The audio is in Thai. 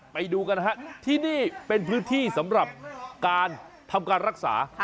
ไปดูกันนะฮะที่นี่เป็นพื้นที่สำหรับการทำการรักษา